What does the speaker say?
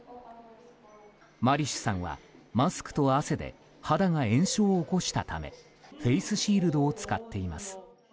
マリシュさんは、マスクと汗で肌が炎症を起こしたためフェースシールドを使っています。